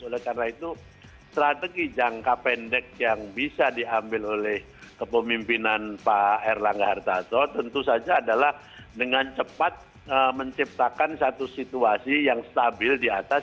oleh karena itu strategi jangka pendek yang bisa diambil oleh kepemimpinan pak erlangga hartarto tentu saja adalah dengan cepat menciptakan satu situasi yang stabil di atas